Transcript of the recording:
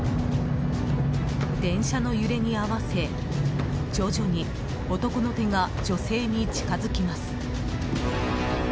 電車の揺れに合わせ徐々に男の手が女性に近づきます。